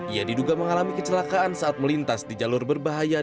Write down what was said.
ia diduga mengalami kecelakaan saat melintas di jalur berbahaya